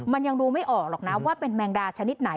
ไม่ได้ออกหรอกนะว่าเป็นแมงดาชนิดไหน